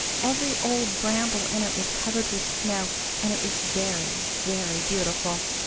Every old bramble in it was covered with snow and it was very, very beautiful.